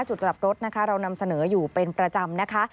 จุดกลับรถนะคะเรานำเสนออยู่เป็นประจำนะคะ